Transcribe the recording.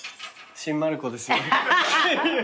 新丸子ですよ。